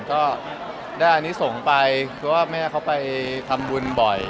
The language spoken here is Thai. ก็ได้อันนี้ส่งไปเพราะว่าแม่เขาไปทำบุญบ่อย